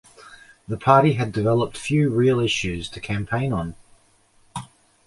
The party had developed few real issues to campaign on.